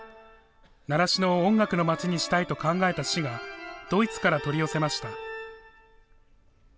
習志野を音楽の街にしたいと考えた市が、ドイツから取り寄せました。